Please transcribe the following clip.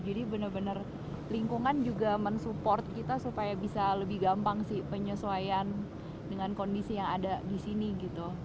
jadi bener bener lingkungan juga mensupport kita supaya bisa lebih gampang sih penyesuaian dengan kondisi yang ada di sini gitu